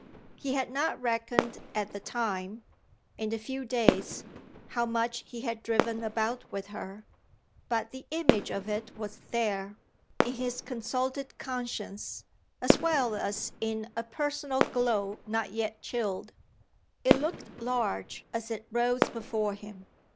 He had not reckoned at the time, in the few days, how much he had driven about with her; but the image of it was there, in his consulted conscience, as well as in a personal glow not yet chilled: it looked large as it rose before him.